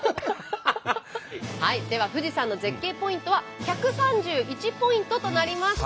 では富士山の絶景ポイントは１３１ポイントとなりました。